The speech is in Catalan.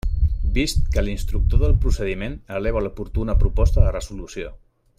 Vist que l'instructor del procediment eleva l'oportuna proposta de resolució.